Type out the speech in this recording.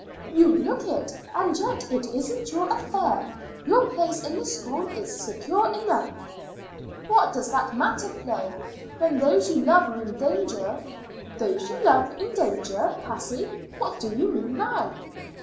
"You look it; and yet it isn't your affair. Your place in the school is secure enough." "What does that matter, Flo, when those you love are in danger?" "Those you love in danger, Cassie! What do you mean now?"